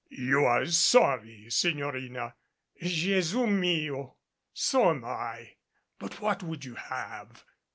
"You are sorry, Signorina? Jesu miol So am I. But what would you have?